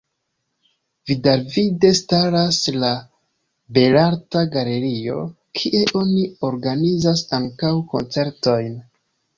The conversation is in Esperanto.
Vidalvide staras la Belarta Galerio, kie oni organizas ankaŭ koncertojn.